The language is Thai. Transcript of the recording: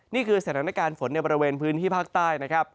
นี่คือสถานการณ์ฝนในบริเวณพื้นที่ภาคใต้นะครับ